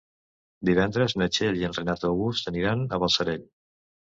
Divendres na Txell i en Renat August aniran a Balsareny.